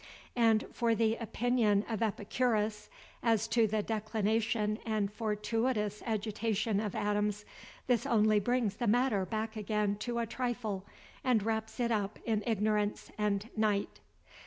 And for the opinion of Epicurus, as to the declination and fortuitous agitation of atoms, this only brings the matter back again to a trifle, and wraps it up in ignorance and night.